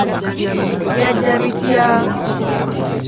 Byajja bitya?